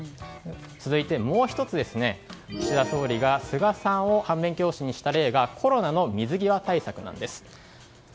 続いてもう１つ、岸田総理が菅さんを反面教師にした例がコロナの水際対策なんです。